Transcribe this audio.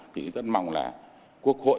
thì rất mong là quốc hội